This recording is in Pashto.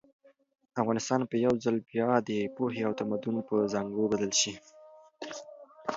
افغانستان به یو ځل بیا د پوهې او تمدن په زانګو بدل شي.